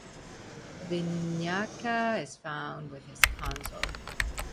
Vinayaka is found with his consort.